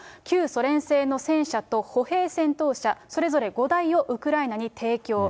旧ソ連製の戦車と歩兵戦闘車、それぞれ５台をウクライナに提供。